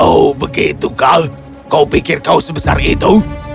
oh begitu kau pikir kau sebesar itu